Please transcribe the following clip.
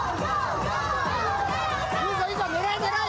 いいぞいいぞ、狙え狙え！